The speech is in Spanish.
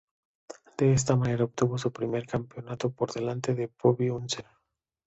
De esta manera, obtuvo su primer campeonato por delante de Bobby Unser.